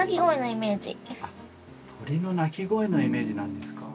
あっ鳥の鳴き声のイメージなんですか。